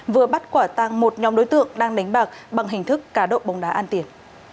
vừa bắt quả tăng một nhóm đối tượng đang đánh bạc bằng hình thức cá độ bóng đá an tiền